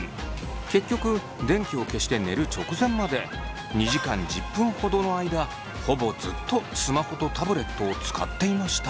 結局電気を消して寝る直前まで２時間１０分ほどの間ほぼずっとスマホとタブレットを使っていました。